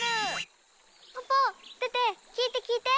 ポポテテ聞いて聞いて。